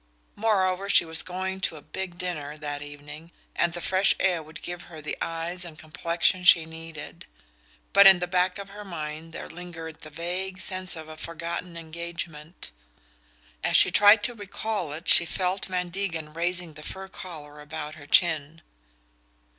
Moreover, she was going to a big dinner that evening, and the fresh air would give her the eyes and complexion she needed; but in the back of her mind there lingered the vague sense of a forgotten engagement. As she tried to recall it she felt Van Degen raising the fur collar about her chin.